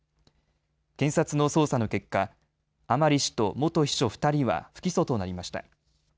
検察の捜査の結果、甘利氏と元秘書２人は不起訴となりました。